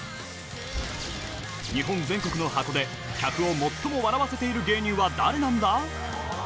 日本全国のハコで、客を最も笑わせている芸人は誰なんだ？